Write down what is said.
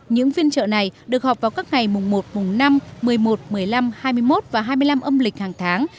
những phiên trợ này được họp vào các ngày mùng một mùng năm một mươi một một mươi năm hai mươi một và hai mươi năm âm lịch hàng tháng